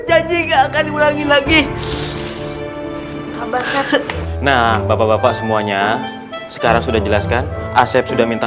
janji gak akan diulangi lagi nah bapak bapak semuanya sekarang sudah jelaskan asep sudah minta